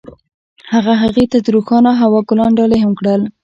هغه هغې ته د روښانه هوا ګلان ډالۍ هم کړل.